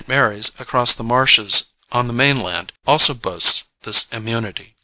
Mary's, across the marshes on the main land, also boasts this immunity.